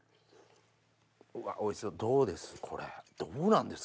うわおいしそうどうです？